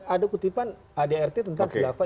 ada kutipan adrt tentang khilafah